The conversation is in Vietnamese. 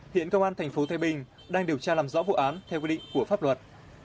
hiện công an tp thái bình đang điều tra làm rõ vụ án theo quy định của pháp luật